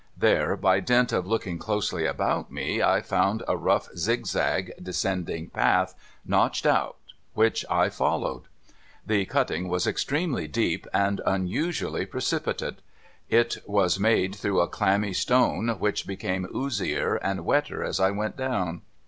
There, by dint of looking closely about me, I found a rough zigzag descending path notched out, which I followed. The cutting was extremely deep, and unusually precipitate. It 458 MUGBY JUNCTION was made through a clammy stone, that Ijccame oozier and welter as I went down.